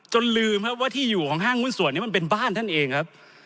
ลืมครับว่าที่อยู่ของห้างหุ้นส่วนนี้มันเป็นบ้านท่านเองครับ